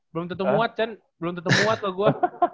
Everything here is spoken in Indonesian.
belum tentu muat cen belum tentu muat lah gua